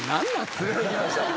連れてきました。